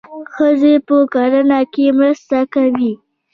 ښځې په کرنه کې مرسته کوي.